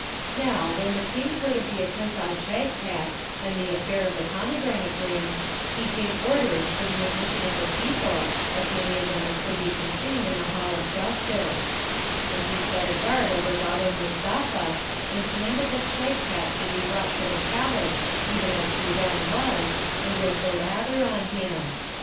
Now, when the King heard of the attempt on Shagpat, and the affair of the Pomegranate Grain, he gave orders for the admission of the people, as many of them as could be contained in the Hall of Justice: and he set a guard over Baba Mustapha, and commanded that Shagpat should be brought to the palace even as he then was, and with the lather on him.